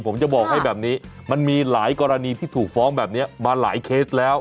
ผมจะบอกให้แบบนี้มันมีหลายกรณีที่ถูกฟ้องแบบนี้มาหลายเคสแล้ว